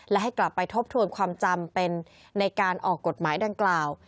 และให้กลับไปทบทวนความจำเป็นในการออกกฎหมายดังกล่าว